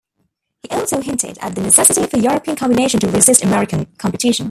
He also hinted at the necessity for European combination to resist American competition.